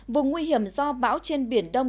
vùng nguy hiểm do bão trên biển đông